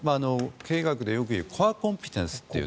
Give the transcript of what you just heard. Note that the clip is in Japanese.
経営学でよく言うコアコンピテンスという。